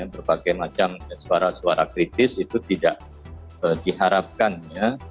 berbagai macam suara suara kritis itu tidak diharapkannya